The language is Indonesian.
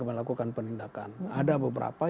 melakukan penindakan ada beberapa